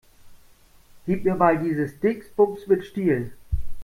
Gib mir mal dieses Dingsbums mit Stiel.